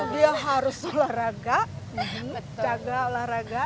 dia harus olahraga jaga olahraga